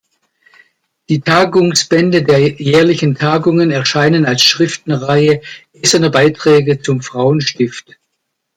Die Tagungsbände der jährlichen Tagungen erscheinen als Schriftenreihe "Essener Beiträge zum Frauenstift".